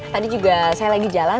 tadi juga saya lagi jalan